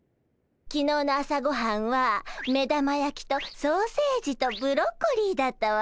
きのうの朝ごはんは目玉焼きとソーセージとブロッコリーだったわ。